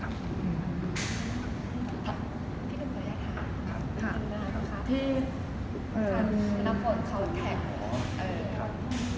ที่นังฝนเขาแทกผม